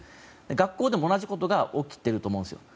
学校でも同じことが起きてると思うんですよ。